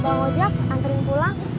bang wojak anterin pulang